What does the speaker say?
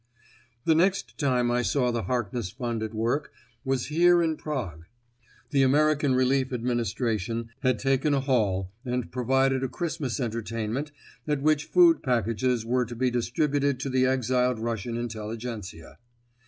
The next time I saw the Harkness Fund at work was here in Prague. The American Relief Administration had taken a hall and provided a Christmas entertainment at which food packages were to be distributed to the exiled Russian Intelligencia.